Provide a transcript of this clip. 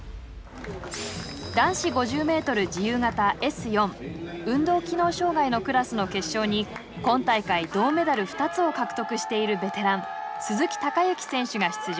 男子５０ｍ自由形Ｓ４運動機能障害のクラスの決勝に今大会銅メダル２つを獲得しているベテラン鈴木孝幸選手が出場。